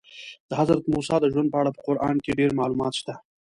د حضرت موسی د ژوند په اړه په قرآن کې ډېر معلومات شته.